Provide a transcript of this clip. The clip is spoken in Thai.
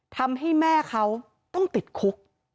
ทำให้แม่เขาต้องติดคุก